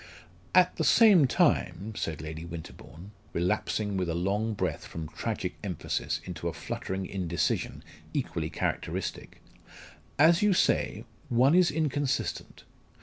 "At the same time," said Lady Winterbourne, relapsing with a long breath from tragic emphasis into a fluttering indecision equally characteristic, "as you say, one is inconsistent.